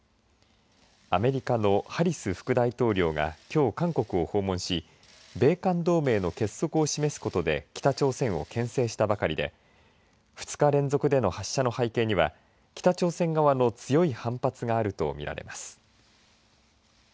アメリカのハリス副大統領がきょう、韓国を訪問し米韓同盟の結束を示すことで北朝鮮をけん制したばかりで２日連続での発射の背景には北朝鮮側の強い反発があると見られます。